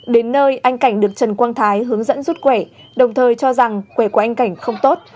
đến nơi anh cảnh được trần quang thái hướng dẫn rút quẩy đồng thời cho rằng quầy của anh cảnh không tốt